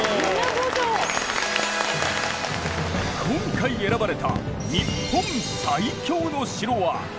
今回選ばれた日本最強の城は米子城！